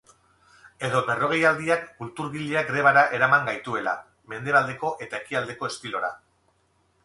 Edo berrogeialdiak kulturgileak grebara eraman gaituela, mendebaldeko eta ekialdeko estilora.